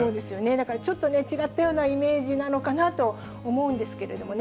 だからちょっと違ったようなイメージなのかなと思うんですけどね、